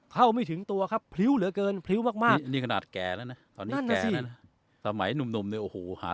เข้าไม่ถึงตัวครับผลิวเหลือเกินผลิวมากมากนี่ขนาดแก่แล้วนะ